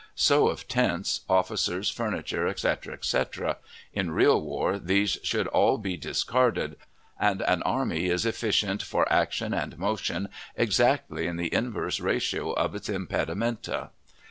So of tents, officers furniture, etc., etc. In real war these should all be discarded, and an army is efficient for action and motion exactly in the inverse ratio of its impedimenta.